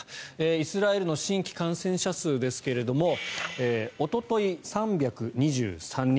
イスラエルの新規感染者数ですがおととい、３２３人。